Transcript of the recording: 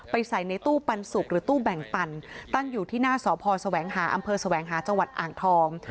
ไปใส่ในตู้ปันสุกหรือตู้แบ่งปั่นตั้งอยู่ที่หน้าสพสวังหาอสวังหาจอ่างทอง